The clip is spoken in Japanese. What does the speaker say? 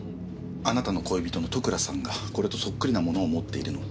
あなたの恋人の戸倉さんがこれとそっくりなものを持っているのを。